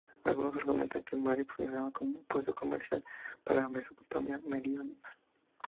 Algunos argumentan que Mari funcionaba como puesto comercial para la Mesopotamia meridional.